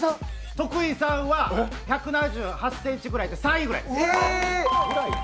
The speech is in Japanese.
徳井さんは１７８ｃｍで３位ぐらいです。